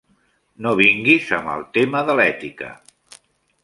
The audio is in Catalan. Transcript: No vinguis amb el tema de l'ètica.